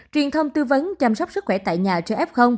truyền thông tư vấn chăm sóc sức khỏe tại nhà cho f